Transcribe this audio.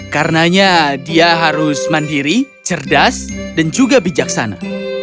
karenanya dia harus mandiri cerdas dan juga bijaksana